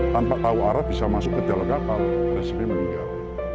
tanpa tahu arah bisa masuk ke dalam kapal resmi meninggal